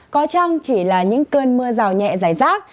có chăng chỉ là những cơn mưa rào nhẹ giải rác